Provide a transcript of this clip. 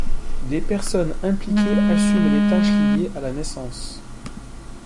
Les personnes impliquées assument les tâches liées à la naissance.